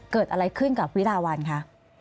เกิดอะไรขึ้นกับวิราวันคะ